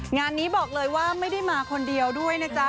งานนี้บอกเลยว่าไม่ได้มาคนเดียวด้วยนะจ๊ะ